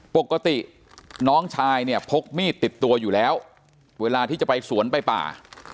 ปกติน้องชายเนี่ยพกมีดติดตัวอยู่แล้วเวลาที่จะไปสวนไปป่า